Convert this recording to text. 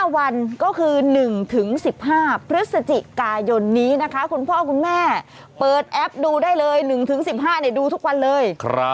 ๕วันก็คือ๑๑๕พฤศจิกายนนี้นะคะคุณพ่อคุณแม่เปิดแอปดูได้เลย๑๑๕ดูทุกวันเลย